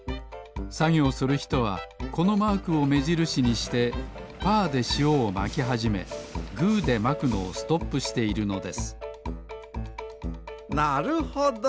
さぎょうするひとはこのマークをめじるしにしてパーでしおをまきはじめグーでまくのをストップしているのですなるほど！